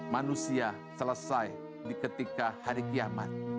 manusia selesai di ketika hari kiamat